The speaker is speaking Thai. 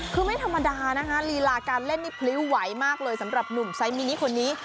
คือไม่ธรรมดานะคะลีลาการเล่นนี่พลิ้วไหวมากเลยสำหรับหนุ่มไซสมินิคนนี้